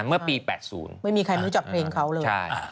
เมื่อปี๘๐ไม่มีใครรู้จักเพลงเขาเลย